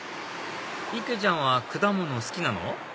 いっけいちゃんは果物好きなの？